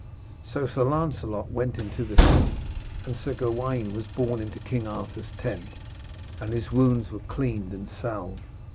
So Sir Lancelot went into the city, and Sir Gawaine was borne into King Arthur's tent and his wounds were cleaned and salved.